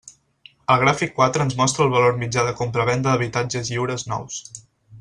El gràfic quatre ens mostra el valor mitjà de compravenda d'habitatges lliures nous.